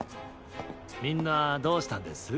みんなどうしたんです？